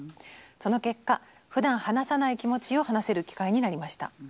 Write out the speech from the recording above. その結果ふだん話さない気持ちを話せる機会になりました。